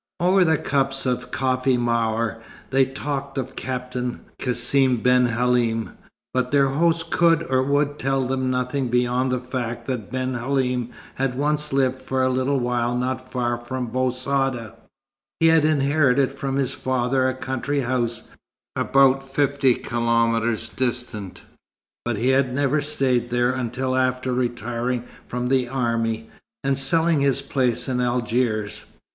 Over the cups of café maure, they talked of Captain Cassim ben Halim, but their host could or would tell them nothing beyond the fact that Ben Halim had once lived for a little while not far from Bou Saada. He had inherited from his father a country house, about fifty kilometres distant, but he had never stayed there until after retiring from the army, and selling his place in Algiers.